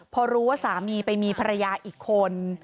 พอรู้ว่าสามีไปมีภรรยาอีกคน